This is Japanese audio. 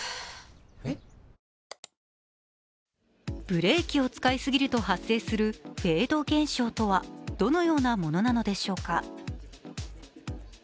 ブレーキを使い過ぎると発生するフェード現象とはどのようなものなのでしょうか。